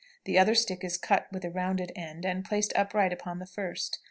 The other stick is cut with a rounded end, and placed upright upon the first.